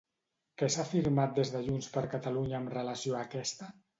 Què s'ha afirmat des de JxCat amb relació a aquesta?